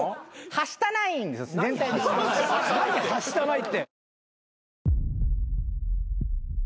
はしたないって。